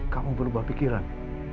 kamu berubah pikiran